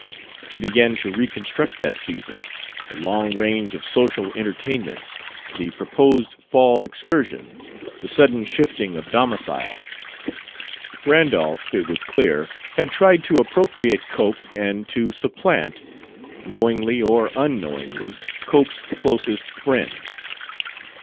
He began to reconstruct that season: the long range of social entertainments, the proposed fall excursions, the sudden shifting of domicile. Randolph, it was clear, had tried to appropriate Cope and to supplant (knowingly or unknowingly) Cope's closest friend.